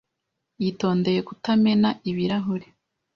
Yitondeye kutamena ibirahuri.